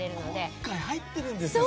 今回、入ってるんですね。